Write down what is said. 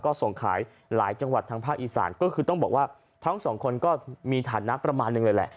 ก็ส่งขายหลายจังหวัดทางภาคอีสานก็คือต้องบอกว่าทั้งสองคนก็มีฐานะประมาณหนึ่งเลยแหละ